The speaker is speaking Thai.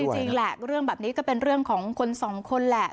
จริงแหละเรื่องแบบนี้ก็เป็นเรื่องของคนสองคนแหละ